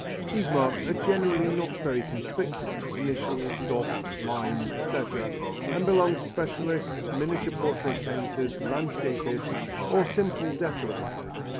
These marks are generally not very conspicuous, initials, dots, lines, etc., and belong to specialists, miniature portrait painters, landscapists or simple decorators.